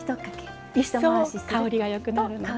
一層香りがよくなるのね。